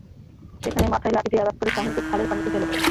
সেখানে মাথায় লাঠি দিয়ে আঘাত করে শাহীনকে খালের পানিতে ফেলে দেয়।